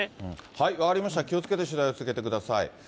分かりました、気をつけて取材を続けてください。